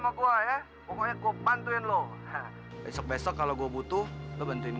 udah ya kamu gak usah sedih terus